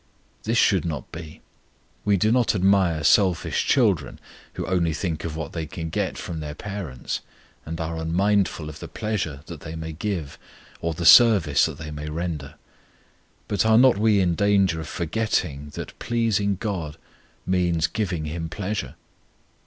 This should not be. We do not admire selfish children who only think of what they can get from their parents, and are unmindful of the pleasure that they may give or the service that they may render. But are not we in danger of forgetting that pleasing GOD means giving Him pleasure?